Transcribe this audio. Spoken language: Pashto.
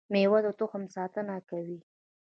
میوه د تخم ساتنه کوي